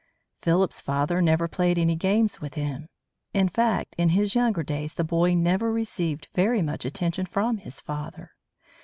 Philip's father never played any games with him. In fact, in his younger days the boy never received very much attention from his father.